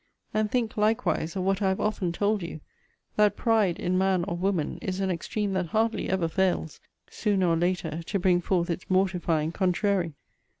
and think, likewise, of what I have often told you, that PRIDE, in man or woman, is an extreme that hardly ever fails, sooner or later, to bring forth its mortifying CONTRARY.